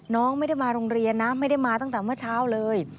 น้องไม่ได้มาโรงเรียนนะไม่ได้มาตั้งแต่เมื่อเช้าเลย